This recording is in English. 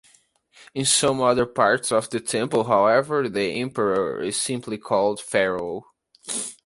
In some other parts of the temple, however, the emperor is simply called "Pharaoh".